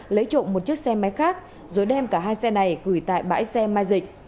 lấy trộm một chiếc xe máy khác rồi đem cả hai xe này gửi tại bãi xe mai dịch